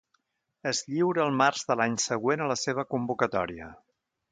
Es lliura el març de l'any següent a la seva convocatòria.